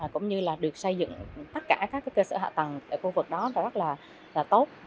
cũng như là được xây dựng tất cả các cơ sở hạ tầng tại khu vực đó rất là tốt